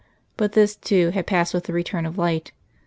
But this, too, had passed with the return of light.